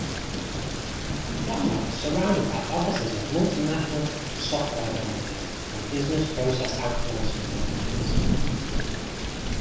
Domlur is surrounded by offices of multinational software companies and business process outsourcing companies.